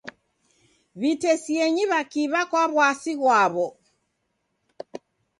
W'itesienyi w'akiw'a kwa w'asi ghwaw'o.